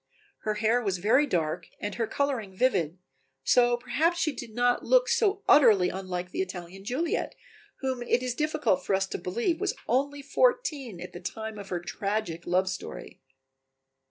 Her hair was very dark and her coloring vivid, so perhaps she did not look so utterly unlike the Italian Juliet, whom it is difficult for us to believe was only fourteen at the time of her tragic love story.